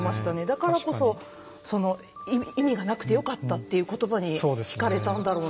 だからこそ「意味がなくてよかった」っていう言葉に引かれたんだろうなって。